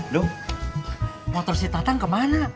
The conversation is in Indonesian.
dung motor si tatang kemana